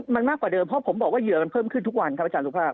มันมากกว่าเดิมเพราะผมบอกว่าเหยื่อมันเพิ่มขึ้นทุกวันครับอาจารย์สุภาพ